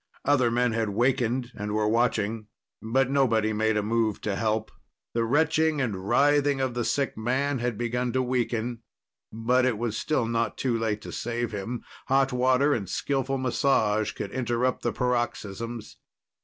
Other men had wakened and were watching, but nobody made a move to help. The retching and writhing of the sick man had begun to weaken, but it was still not too late to save him. Hot water and skillful massage could interrupt the paroxysms.